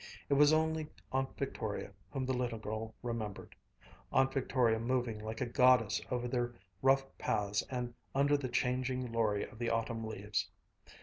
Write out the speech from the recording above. It was only Aunt Victoria whom the little girl remembered Aunt Victoria moving like a goddess over their rough paths and under the changing glory of the autumn leaves.